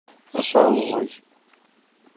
Ad sɛuẓẓgeɣ.